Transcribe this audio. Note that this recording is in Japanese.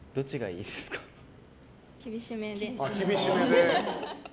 厳しめで。